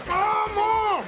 もう！